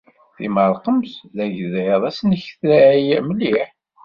Timerqemt d agḍiḍ asneknay mliḥ.